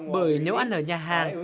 bởi nếu ăn ở nhà hàng